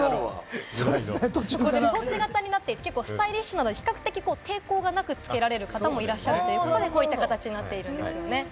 ポーチ型になっていて、スタイリッシュなので、比較的抵抗なくつけられる方もいらっしゃるということで、こういう形になっています。